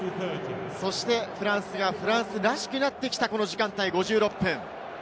そしてフランスがフランスらしくなってきたこの時間帯５６分。